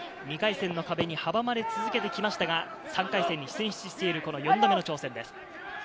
２回戦の壁に阻まれ続けてきましたが、３回戦に進出している４度目の挑戦です。